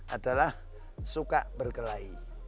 adalah suka berkelahi